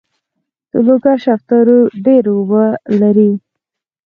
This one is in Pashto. د لوګر شفتالو ډیر اوبه لري.